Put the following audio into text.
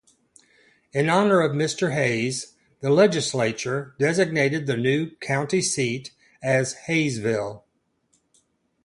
In honor of Mr. Hayes, the legislature designated the new county seat as Hayesville.